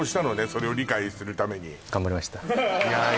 それを理解するために頑張りましたいやー